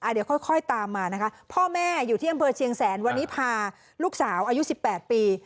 เดี๋ยวค่อยตามมานะคะพ่อแม่อยู่ที่อำเภอเชียงแสนวันนี้พาลูกสาวอายุ๑๘ปี